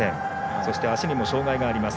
そして、足にも障がいがあります。